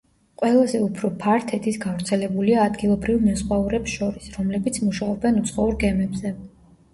ყველაზე უფრო ფართედ ის გავრცელებულია ადგილობრივ მეზღვაურებს შორის, რომლებიც მუშაობენ უცხოურ გემებზე.